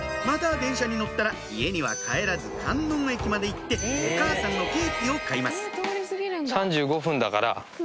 また電車に乗ったら家には帰らず観音駅まで行ってお母さんのケーキを買います３５分だから。